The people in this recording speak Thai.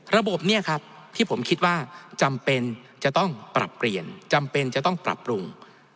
ระบบเนี่ยครับที่ผมคิดว่าจำเป็นจะต้องปรับเปลี่ยนจำเป็นจะต้องปรับปรุง